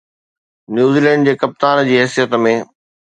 New Zealand جي ڪپتان جي حيثيت ۾